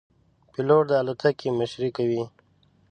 پیلوټ د الوتکې مشري کوي.